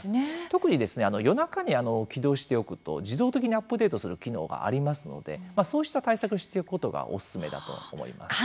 特に夜中に起動しておくと自動的にアップデートする機能がありますのでそうした対策をしておくことがおすすめだと思います。